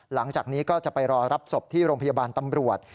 หลังจากนี้ก็จะไปรอรับศพที่โรงพยาบาลตำรวจ